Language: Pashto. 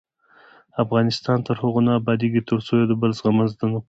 افغانستان تر هغو نه ابادیږي، ترڅو د یو بل زغمل زده نکړو.